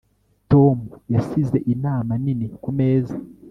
Tom yasize inama nini kumeza